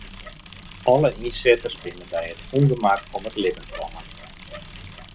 Alle ynsitters binne by it ûngemak om it libben kommen.